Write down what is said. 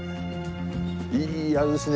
いいあれですね